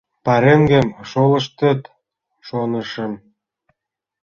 — Пареҥгым шолыштыт, шонышым.